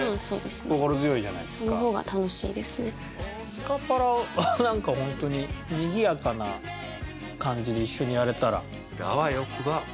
スカパラはなんかホントににぎやかな感じで一緒にやれたら。